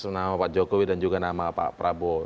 nama pak jokowi dan juga nama pak prabowo